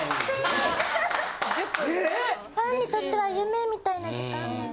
ファンにとっては夢みたいな時間なんで。